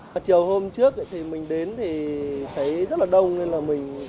lần thứ ba đông lắm